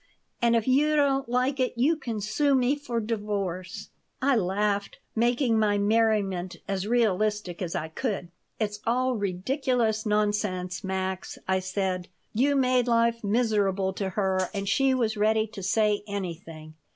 And if you don't like it you can sue me for divorce." I laughed, making my merriment as realistic as I could. "It's all ridiculous nonsense, Max," I said. "You made life miserable to her and she was ready to say anything.